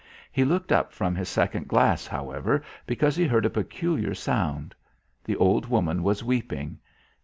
He looked up from his second glass, however, because he heard a peculiar sound. The old woman was weeping.